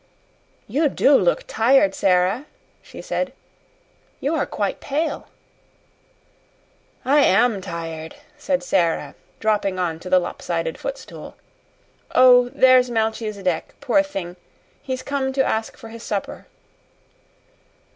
"You DO look tired, Sara," she said; "you are quite pale." "I AM tired," said Sara, dropping on to the lopsided footstool. "Oh, there's Melchisedec, poor thing. He's come to ask for his supper."